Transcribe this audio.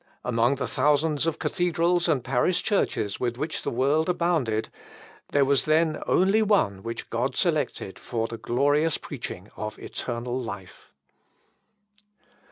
Among the thousands of cathedrals and parish churches with which the world abounded, there was then one only which God selected for the glorious preaching of eternal life."